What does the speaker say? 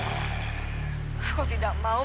aku tidak mau